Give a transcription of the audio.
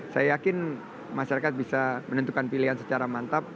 saya yakin masyarakat bisa menentukan pilihan secara mantap